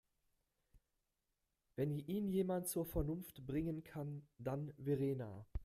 Wenn ihn jemand zur Vernunft bringen kann, dann Verena.